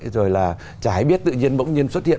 rồi là trái biết tự nhiên bỗng nhiên xuất hiện